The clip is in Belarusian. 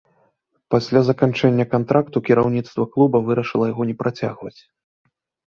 Пасля заканчэння кантракту, кіраўніцтва клуба вырашыла яго не працягваць.